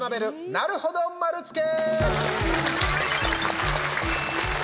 なるほど丸つけ。